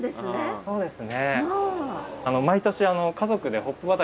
そうですね。